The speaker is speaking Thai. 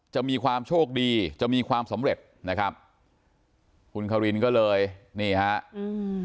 จะมีความโชคดีจะมีความสำเร็จนะครับคุณคารินก็เลยนี่ฮะอืม